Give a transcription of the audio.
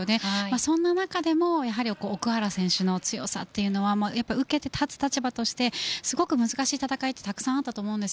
そんな中でも奥原選手の強さというのは受けて立つ立場としてすごく難しい戦いはたくさんあったと思うんです。